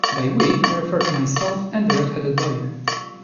By 'we' I refer to myself and the red-headed boy.